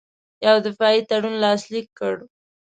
یو دفاعي تړون لاسلیک کړ.